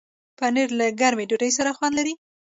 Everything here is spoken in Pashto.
پنېر له ګرمې ډوډۍ سره خوند لري.